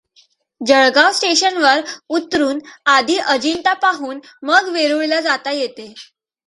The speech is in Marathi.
जळगांव स्टेशनवर उतरून आधी अजिंठा पाहून मग वेरूळला जाता येते.